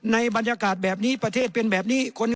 บรรยากาศแบบนี้ประเทศเป็นแบบนี้